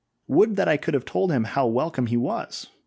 Would that I could have told him how welcome he was!